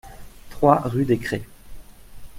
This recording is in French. trois rue des Crais